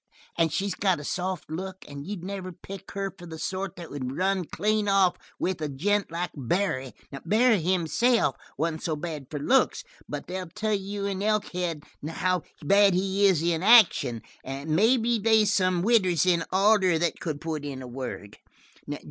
She's got a soft look and you'd never pick her for the sort that would run clean off with a gent like Barry. Barry himself wasn't so bad for looks, but they'll tell you in Elkhead how bad he is in action, and maybe they's some widders in Alder that could put in a word.